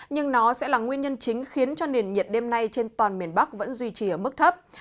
nhưng nó sẽ là nguyên nhân chính khiến cho nền nhiệt đêm nay trên toàn miền bắc vẫn duy trì ở mức thấp